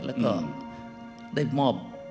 แล้วก็ได้มอบ